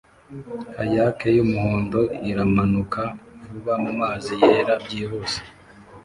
Kayak yumuhondo iramanuka vuba mumazi yera byihuse